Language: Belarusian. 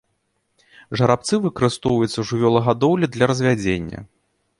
Жарабцы выкарыстоўваюцца ў жывёлагадоўлі для развядзення.